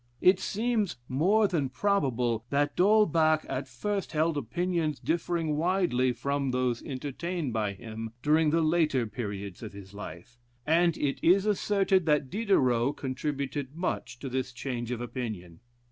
It seems more than probable that D'Holbach at first held opinions differing widely from those entertained by him during the later periods of his life, and it is asserted that Diderot contributed much to this change of opinion.